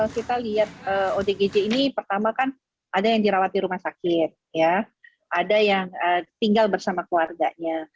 kita lihat odgj ini pertama kan ada yang dirawat di rumah sakit ada yang tinggal bersama keluarganya